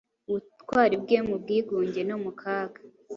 ubutwari bwe mu bwigunge no mu kaga